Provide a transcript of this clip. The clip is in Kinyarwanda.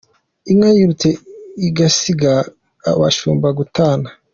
Inka yirutse igasiga abashumba : Gutana.